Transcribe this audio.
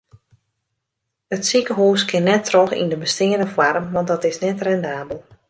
It sikehûs kin net troch yn de besteande foarm want dat is net rendabel.